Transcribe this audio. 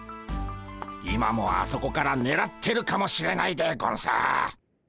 今もあそこからねらってるかもしれないでゴンス。